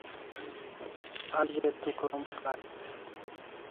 A ze tu krom karik